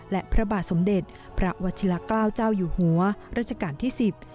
และพระบาทสมเด็จพระวัชิลาเกล้าเจ้าอยู่หัวรัชกาลที่สิบ